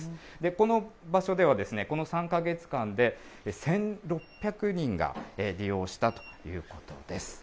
この場所では、この３か月間で、１６００人が利用したということです。